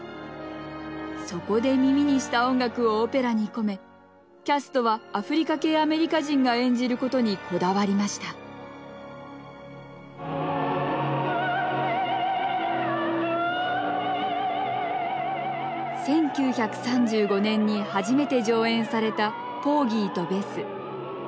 そこで耳にした音楽をオペラに込めキャストはアフリカ系アメリカ人が演じることにこだわりました１９３５年に初めて上演された「ポーギーとベス」。